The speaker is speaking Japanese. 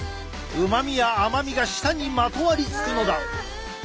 うまみや甘みが舌にまとわりつくのだ。